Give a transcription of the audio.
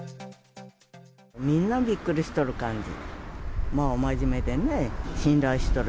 みんなびっくりしとる感じ。